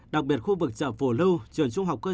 đặc biệt khu vực chợ phổ lưu trường trung học cơ sở